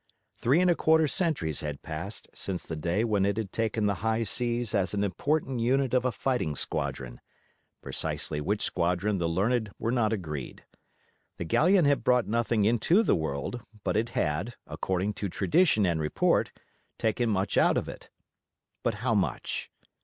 Three and a quarter centuries had passed since the day when it had taken the high seas as an important unit of a fighting squadron—precisely which squadron the learned were not agreed. The galleon had brought nothing into the world, but it had, according to tradition and report, taken much out of it. But how much?